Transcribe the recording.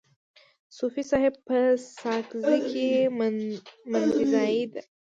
صوفي صاحب په ساکزی کي مندینزای دی.